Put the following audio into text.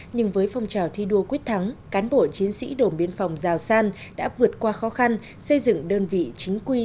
nhưng với phong trào thi đua quyết thắng cán bộ chiến sĩ đồn biên phòng giào san đã vượt qua khó khăn xây dựng đơn vị chính quy